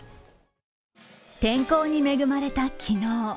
天候に恵まれた昨日。